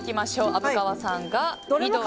虻川さんが緑。